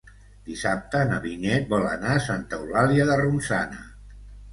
Dissabte na Vinyet vol anar a Santa Eulàlia de Ronçana.